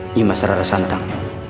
nimas rara santang